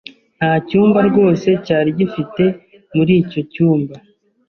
Nta cyumba rwose cyari gifite muri icyo cyumba.